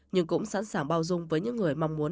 nhưng cũng sẵn sàng bao dung với những người mong muốn